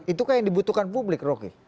itu kan yang dibutuhkan publik rocky